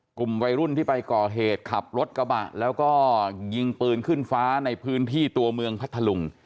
กลุ่มวัยรุ่นที่ไปก่อเหตุขับรถกระบะแล้วก็ยิงปืนขึ้นฟ้าในพื้นที่ตัวเมืองพัทธลุง